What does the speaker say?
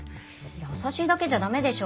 優しいだけじゃ駄目でしょ。